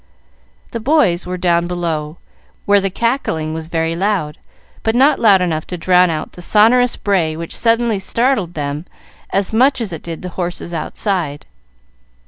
The boys were down below, where the cackling was very loud, but not loud enough to drown the sonorous bray which suddenly startled them as much as it did the horses outside.